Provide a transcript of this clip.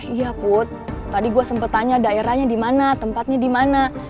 iya put tadi gue sempet tanya daerahnya dimana tempatnya dimana